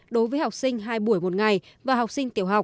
đối với học sinh hai buổi một ngày và học sinh tiểu học